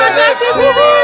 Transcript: terima kasih philip